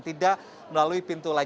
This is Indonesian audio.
tidak melalui pintu lain